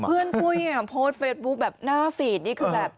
เพื่อนกูอย่างนี้โพสต์เฟสบุ๊คแบบหน้าฟีดนี่คือแบบ